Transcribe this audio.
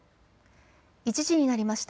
１時になりました。